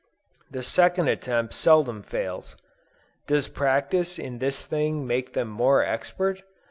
The second attempt seldom fails. Does practice in this thing make them more expert?